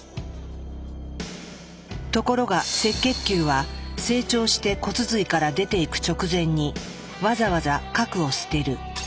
ところが赤血球は成長して骨髄から出ていく直前にわざわざ核を捨てる。